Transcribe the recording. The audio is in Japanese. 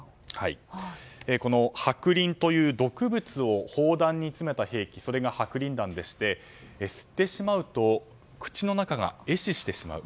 この白リンという毒物を砲弾に詰めた兵器それが白リン弾でして吸ってしまうと口の中が壊死してしまう。